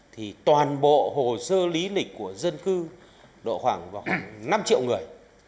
thì toàn bộ hồ sơ lý lịch của dân cư độ khoảng năm triệu người